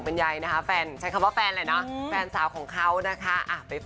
เพราะว่ามันเป็นเรื่องของการละเมิด